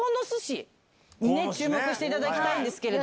注目していただきたいんですけど。